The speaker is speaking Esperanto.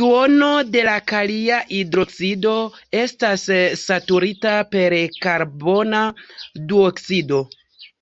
Duono de la kalia hidroksido estas saturita per karbona duoksido.